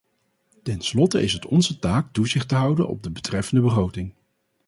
Ten slotte is het onze taak toezicht te houden op de betreffende begroting.